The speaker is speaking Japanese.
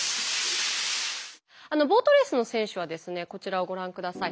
ボートレースの選手はですねこちらをご覧下さい。